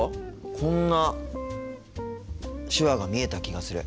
こんな手話が見えた気がする。